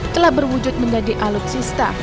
telah berwujud menjadi alutsista